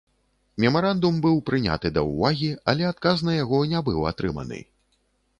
Мемарандум быў прыняты да ўвагі, але адказ на яго не быў атрыманы.